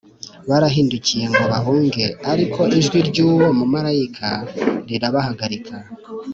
barahindukiye ngo bahunge, ariko ijwi ry’uwo mumarayika rirabahagarika